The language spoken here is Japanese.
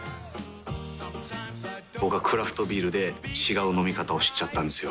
僕はクラフトビールで違う飲み方を知っちゃったんですよ。